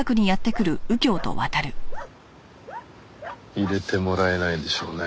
入れてもらえないでしょうね。